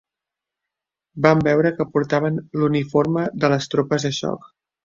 Vam veure que portaven l'uniforme de les tropes de xoc